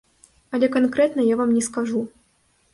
Але канкрэтна я вам не скажу.